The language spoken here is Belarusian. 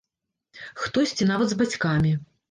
Хтосьці нават з бацькамі.